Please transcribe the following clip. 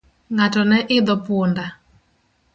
Ng'ato no hidho punda.